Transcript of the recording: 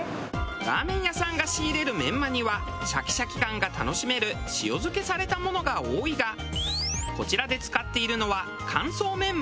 ラーメン屋さんが仕入れるメンマにはシャキシャキ感が楽しめる塩漬けされたものが多いがこちらで使っているのは乾燥メンマ。